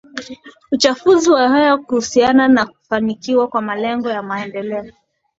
uchafuzi wa hewa kunahusiana na kufanikiwa kwa Malengo ya Maendeleo